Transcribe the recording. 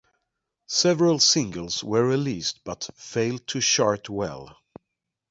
Several singles were released but failed to chart well.